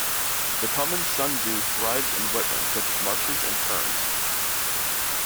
The common sundew thrives in wetlands such as marshes and fens.